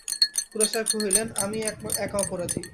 খুড়াসাহেব কহিলেন, আমিই একা অপরাধী।